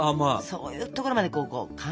そういうところまでこう考えないと。